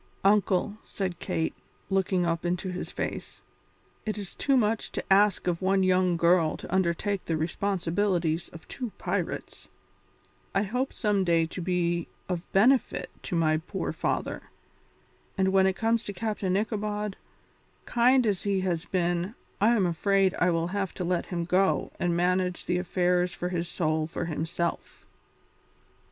"Uncle," said Kate, looking up into his face, "it is too much to ask of one young girl to undertake the responsibilities of two pirates; I hope some day to be of benefit to my poor father, but when it comes to Captain Ichabod, kind as he has been, I am afraid I will have to let him go and manage the affairs of his soul for himself."